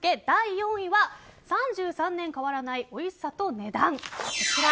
第４位は３３年変わらないおいしさと値段。